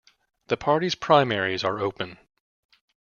The party's primaries are open.